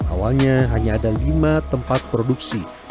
awalnya hanya ada lima tempat produksi